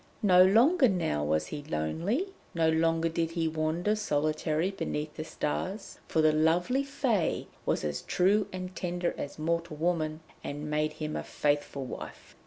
No longer now was he lonely, no longer did he wander solitary beneath the stars, for the lovely Fée was as true and tender as mortal woman, and made him a faithful wife.